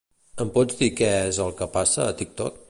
Em pots dir què és el que passa a TikTok?